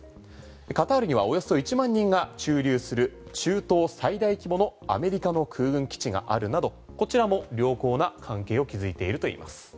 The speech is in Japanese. カタールにはおよそ１万人が駐留する中東最大規模のアメリカの空軍基地があるなどこちらも良好な関係を築いているといいます。